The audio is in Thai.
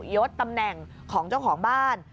ยดตำแหน่งของเจ้าของบ้าน